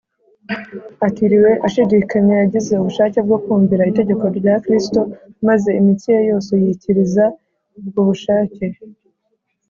Atiriwe ashidikanya, yagize ubushake bwo kumvira itegeko rya Kristo maze imitsi ye yose yikiriza ubwo bushake